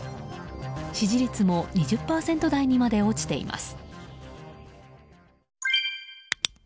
支持率も２０％台にまで落ちています。